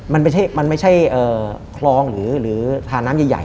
มันไม่ใช่คลองหรือทาน้ำใหญ่